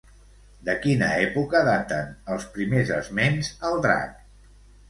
De quina època daten els primers esments al drac?